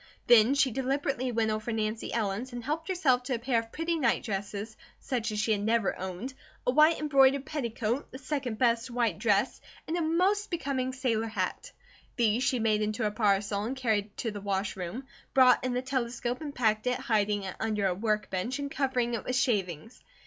Then she deliberately went over Nancy Ellen's and helped herself to a pair of pretty nightdresses, such as she had never owned, a white embroidered petticoat, the second best white dress, and a most becoming sailor hat. These she made into a parcel and carried to the wash room, brought in the telescope and packed it, hiding it under a workbench and covering it with shavings.